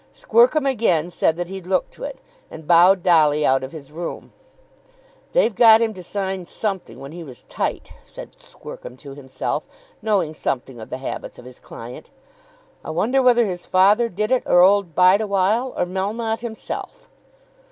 Squercum again said that he'd look to it, and bowed Dolly out of his room. "They've got him to sign something when he was tight," said Squercum to himself, knowing something of the habits of his client. "I wonder whether his father did it, or old Bideawhile, or Melmotte himself?"